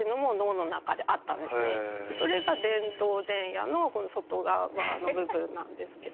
それが前頭前野の外側の部分なんですけど。